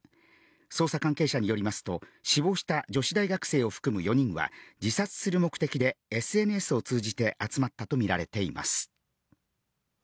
捜査関係者によりますと、死亡した女子大学生を含む４人は、自殺する目的でＳＮＳを通じて集まったと見られています。